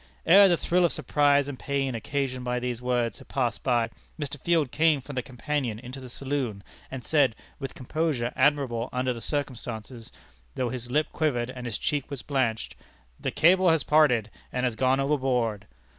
Ere the thrill of surprise and pain occasioned by these words had passed away, Mr. Field came from the companion into the saloon, and said, with composure admirable under the circumstances, though his lip quivered and his cheek was blanched, 'The cable has parted and has gone overboard.'